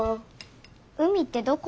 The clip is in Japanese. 海ってどこの海？